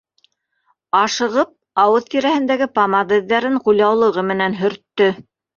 Ашығып ауыҙ тирәһендәге помада эҙҙәрен ҡулъяулығы менән һөрттө